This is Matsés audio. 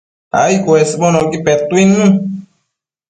ai cuesbonocqui petuidnun